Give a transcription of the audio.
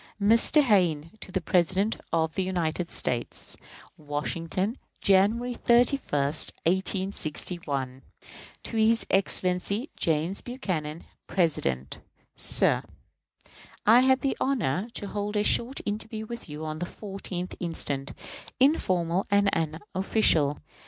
_ Mr. Hayne to the President of the United States. Washington, January 31, 1861. To his Excellency James Buchanan, President. Sir: I had the honor to hold a short interview with you on the 14th inst., informal and unofficial.